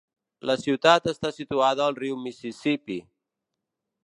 La ciutat està situada al riu Mississippi.